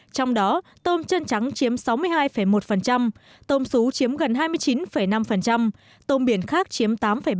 trong đó tôm chân trắng chiếm sáu mươi hai một tôm sú chiếm gần hai mươi chín năm tôm biển khác chiếm tám ba